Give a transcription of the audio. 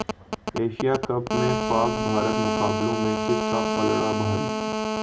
Asia cup میں پاک بھارت مقابلوں میں کس کا پلڑا بھاری